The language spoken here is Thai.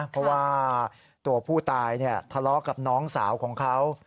เพราะว่าตัวผู้ตายทะเลาะกับน้องสาวของเขา